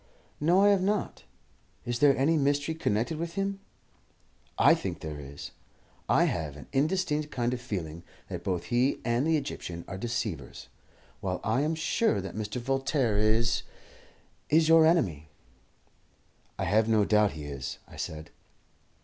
"No, I have not. Is there any mystery connected with him?" "I think there is. I have an indistinct kind of feeling that both he and the Egyptian are deceivers, while I am sure that Mr. Voltaire is is your enemy." "I have no doubt he is," I said.